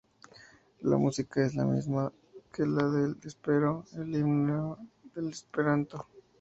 La música es la misma que la de La Espero, el himno del esperanto.